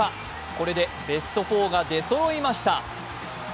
これでベスト４が出そろいました。